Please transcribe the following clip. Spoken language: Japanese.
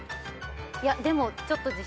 でもちょっと自信ないな。